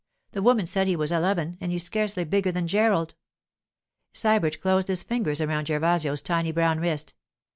The woman said he was eleven, and he's scarcely bigger than Gerald.' Sybert closed his fingers around Gervasio's tiny brown wrist.